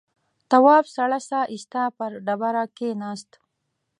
تواب سړه سا ایسته پر ډبره کېناست.